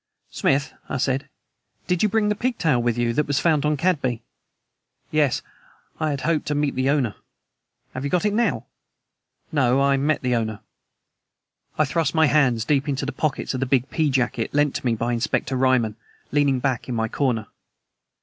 "Smith," I said, "did you bring the pigtail with you that was found on Cadby?" "Yes. I had hoped to meet the owner." "Have you got it now?" "No. I met the owner." I thrust my hands deep into the pockets of the big pea jacket lent to me by Inspector Ryman, leaning back in my corner.